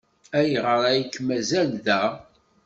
Ayɣer ay k-mazal da?